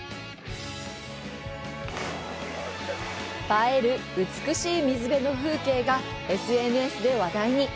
映える美しい水辺の風景がＳＮＳで話題に。